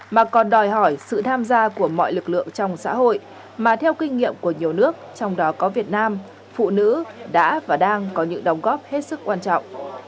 mà còn đòi hỏi sự tham gia của mọi lực lượng trong xã hội mà theo kinh nghiệm của nhiều nước trong đó có việt nam phụ nữ đã và đang có những đóng góp hết sức quan trọng